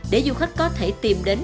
để du khách có thể tìm đến